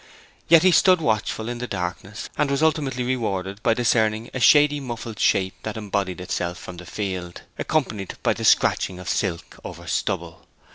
Yet he stood watchful in the darkness, and was ultimately rewarded by discerning a shady muffled shape that embodied itself from the field, accompanied by the scratching of silk over stubble.